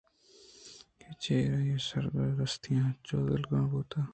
کہ چرآئی ءِ سَرّگاں درٛستیں پس ہنچو دلترک بُوتاں